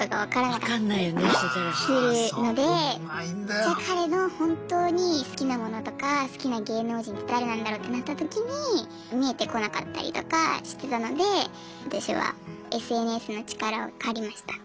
じゃあ彼の本当に好きなものとか好きな芸能人って誰なんだろうってなったときに見えてこなかったりとかしてたので私はＳＮＳの力を借りました。